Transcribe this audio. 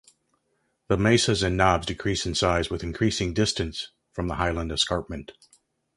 The mesas and knobs decrease in size with increasing distance from the highland escarpment.